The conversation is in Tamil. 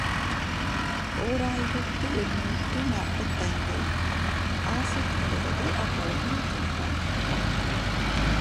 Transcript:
ஓர் ஆயிரத்து எண்ணூற்று நாற்பத்தைந்து ஆசைப்படுவது அவ்வளவும் துன்பம்.